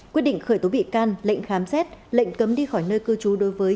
quyết định khởi tố bị can lệnh khám xét lệnh cấm đi khỏi nơi cư trị